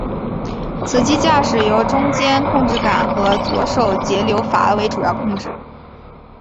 此机驾驶由中间控制杆和左手节流阀为主要控制。